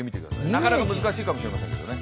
なかなか難しいかもしれませんけどね。